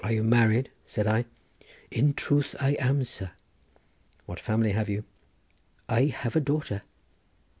"Are you married?" said I. "In truth I am, sir." "What family have you?" "I have a daughter."